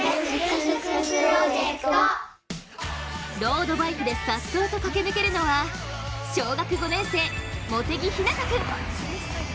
ロードバイクでさっそうと駆け抜けるのは小学５年生、茂木陽向君。